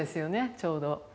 ちょうど。